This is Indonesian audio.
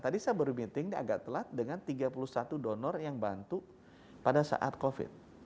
tadi saya baru meeting ini agak telat dengan tiga puluh satu donor yang bantu pada saat covid